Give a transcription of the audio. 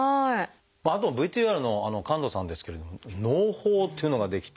あとＶＴＲの神門さんですけれどものう胞っていうのが出来て。